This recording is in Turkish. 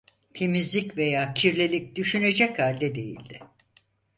Temizlik veya kirlilik düşünecek halde değildi.